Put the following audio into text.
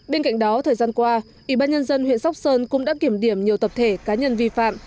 bên cạnh đó thời gian qua ủy ban nhân dân huyện sóc sơn cũng đã kiểm điểm nhiều tập thể cá nhân vi phạm